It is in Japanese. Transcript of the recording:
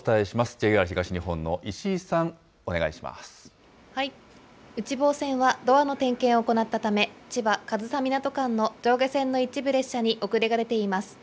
ＪＲ東日本の石井さん、内房線はドアの点検を行ったため、千葉・上総湊間の上下線の一部列車に遅れが出ています。